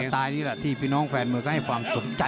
ไตล์นี่แหละที่พี่น้องแฟนมวยก็ให้ความสนใจ